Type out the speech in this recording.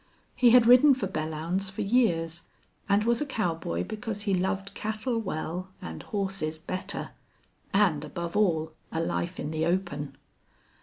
He had ridden for Belllounds for years, and was a cowboy because he loved cattle well and horses better, and above all a life in the open.